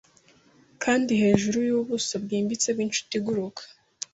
Kandi hejuru yubuso bwimbitse bwinshuti iguruka